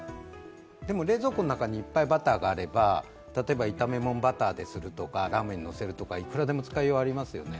でも、冷蔵庫の中にいっぱいバターがあれば、例えば炒めものをバターでするとかラーメンにのせるとかいくらでも使いみちがありますよね。